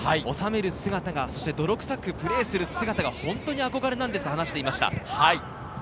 収める姿がそして泥くさくプレーする姿が本当にあこがれなんですと話していました。